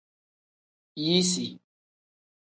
Yisi.